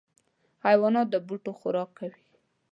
حیوانات د بوټو خوراک کوي.